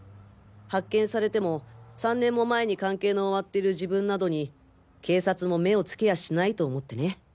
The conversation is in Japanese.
発見されても３年も前に関係の終わってる自分などに警察も目をつけやしないと思ってね。